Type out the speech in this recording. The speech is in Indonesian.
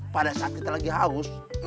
pada saat kita lagi haus